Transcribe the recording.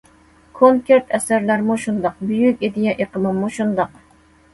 كونكرېت ئەسەرلەرمۇ شۇنداق، بۈيۈك ئىدىيە ئېقىمىمۇ شۇنداق.